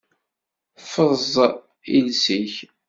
Ffeẓ iles-ik!